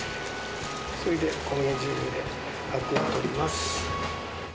それでとぎ汁であくを取ります。